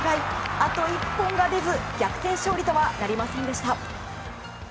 あと１本が出ず逆転勝利とはなりませんでした。